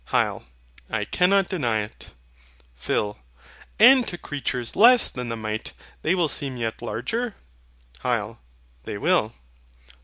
HYL. I cannot deny it. PHIL. And to creatures less than the mite they will seem yet larger? HYL. They will.